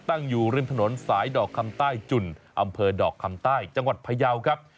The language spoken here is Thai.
ตั้งอยู่ริมถนนสายดอกคำใต้จุ่นอำเภอดอกคำใต้จังหวัดพยาวครับ